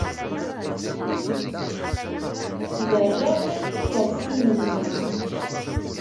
Tderrer ikersiyen-nni.